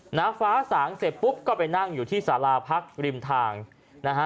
หน้าฟ้าสางเสร็จปุ๊บก็ไปนั่งอยู่ที่สาราพักริมทางนะฮะ